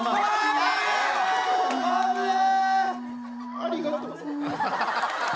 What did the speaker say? ありがとう。